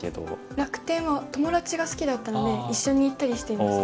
楽天は友達が好きだったので一緒に行ったりしていました。